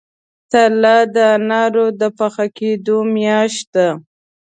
تله د انارو د پاخه کیدو میاشت ده.